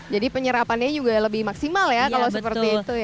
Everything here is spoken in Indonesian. jadi penyerapannya juga lebih maksimal ya kalau seperti itu ya